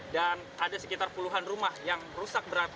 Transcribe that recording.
ada sekitar puluhan rumah yang rusak berat